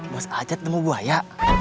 bos ajat temu buahaya